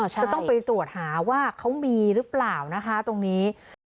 จะต้องไปตรวจหาว่าเขามีหรือเปล่านะคะตรงนี้